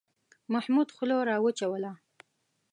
محمود خوله را وچوله.